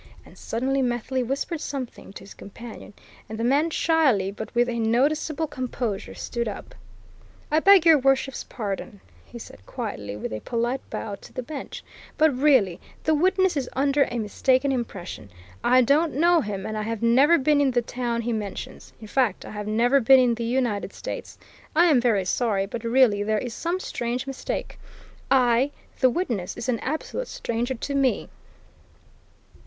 And suddenly Methley whispered something to his companion and the man shyly but with a noticeable composure stood up. "I beg Your Worship's pardon," he said, quietly, with a polite bow to the bench, "but really, the witness is under a mistaken impression! I don't know him, and I have never been in the town he mentions in fact, I have never been in the United States. I am very sorry, but, really, there is some strange mistake I the witness is an absolute stranger to me!"